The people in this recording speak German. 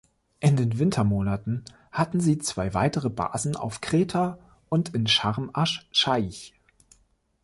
In den Wintermonaten hatten sie zwei weitere Basen auf Kreta und in Scharm asch-Schaich.